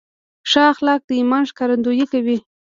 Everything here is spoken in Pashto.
ښه اخلاق د ایمان ښکارندویي کوي.